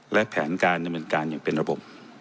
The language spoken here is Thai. และแผนการดำเนินการอย่างเป็นระบบ